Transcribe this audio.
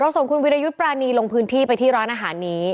ส่งคุณวิรยุทธ์ปรานีลงพื้นที่ไปที่ร้านอาหารนี้